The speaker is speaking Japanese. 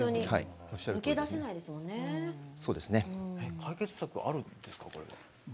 解決策はあるんですか？